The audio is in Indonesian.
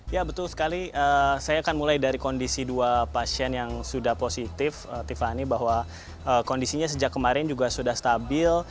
ya betul sekali saya akan mulai dari kondisi dua pasien yang sudah positif tiffany bahwa kondisinya sejak kemarin juga sudah stabil